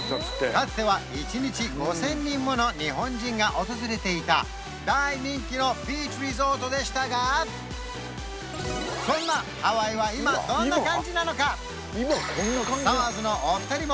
かつては１日５０００人もの日本人が訪れていた大人気のビーチリゾートでしたがそんなハワイは題してにゃ！